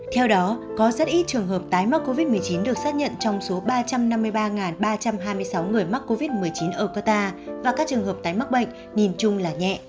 theo đó có rất ít trường hợp tái mắc covid một mươi chín được xác nhận trong số ba trăm năm mươi ba ba trăm hai mươi sáu người mắc covid một mươi chín ở qatar và các trường hợp tái mắc bệnh nhìn chung là nhẹ